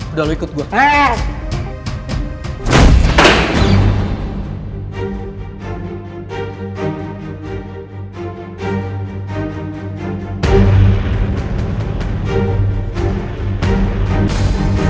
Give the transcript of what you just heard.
udah lo ikut gue